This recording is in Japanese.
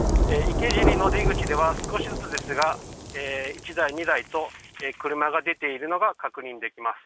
池尻の出口では、少しずつですが１台、２台と車が出ているのが確認できます。